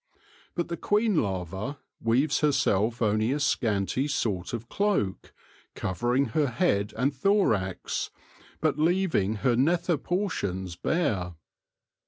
But the queen larva weaves herself only a scanty sort of cloak, covering her head and thorax, but leaving her nether portions bare.